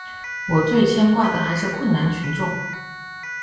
我最牵挂的还是困难群众。